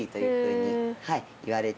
はい。